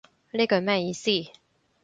呢句乜意思